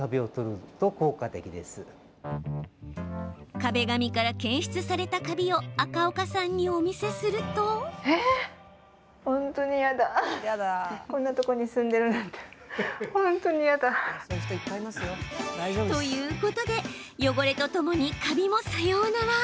壁紙から検出されたカビを赤岡さんにお見せすると。ということで汚れとともにカビもさようなら